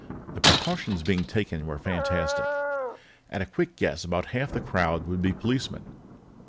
The precautions being taken were fantastic; at a quick guess, about half the crowd would be policemen.